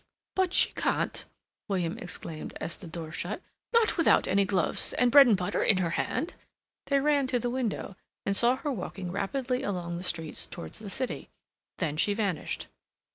"But she can't—" William exclaimed, as the door shut, "not without any gloves and bread and butter in her hand!" They ran to the window, and saw her walking rapidly along the street towards the City. Then she vanished.